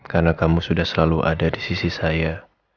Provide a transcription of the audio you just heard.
karena kamu sudah selalu ada di sisi saya